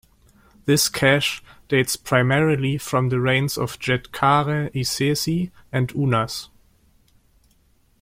This cache dates primarily from the reigns of Djedkare Isesi and Unas.